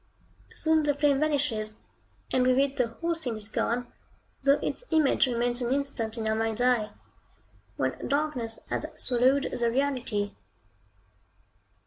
Soon the flame vanishes, and with it the whole scene is gone, though its image remains an instant in your mind's eye, when darkness has swallowed the reality.